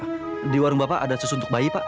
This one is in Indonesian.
nah di warung bapak ada susu untuk bayi pak